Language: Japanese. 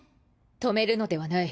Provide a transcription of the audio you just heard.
止めるのではない。